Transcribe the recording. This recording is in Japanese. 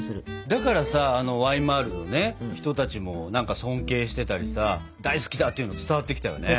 だからさあのワイマールのね人たちも尊敬してたりさ大好きだっていうの伝わってきたよね。